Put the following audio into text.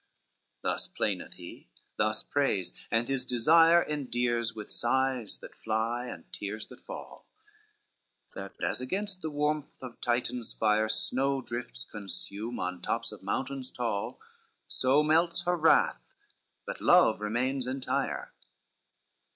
CXXXVI Thus plaineth he, thus prays, and his desire Endears with sighs that fly and tears that fall; That as against the warmth of Titan's fire, Snowdrifts consume on tops of mountains tall, So melts her wrath; but love remains entire.